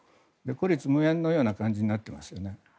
孤立無援のような感じになっていますよね。